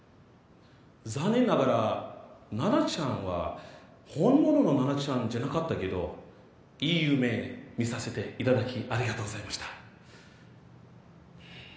残念ながらナナちゃんは本物のナナちゃんじゃなかったけどいい夢見させていただきありがとうございました。